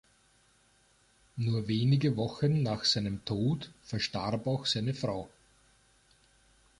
Nur wenige Wochen nach seinem Tod verstarb auch seine Frau.